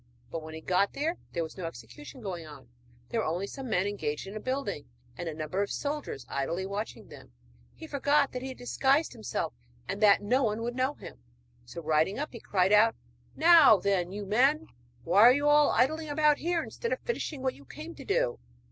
But, when he got there, there was no execution going on. There were only some men engaged in building, and a number of soldiers idly watching them. He forgot that he had disguised himself and that no one would know him, so, riding up, he cried out: 'Now then, you men, why are you idling about here instead of finishing what you came to do?